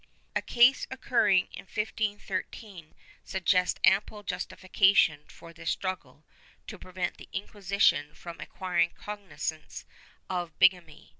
^ A case occurring in 1513 suggests ample justification for this struggle to prevent the Inquisition from acquiring cognizance of bigamy.